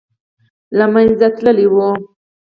له منځه تللی وو.